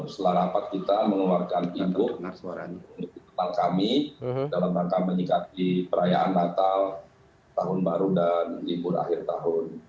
setelah rapat kita mengeluarkan ibu suara kami dalam rangka menyikapi perayaan natal tahun baru dan libur akhir tahun